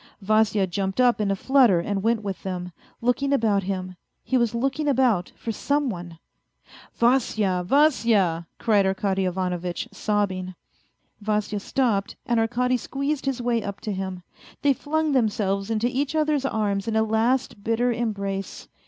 Vasya jumped up in a flutter and went with them, looking about him. He was looking about for some one. " Vasya, Vasya !" cried Arkady Ivanovitch, sobbing. Vasya stopped, and Arkady squeezed his way up to him. They flung themselves into each other's arms in a last bitter embrace.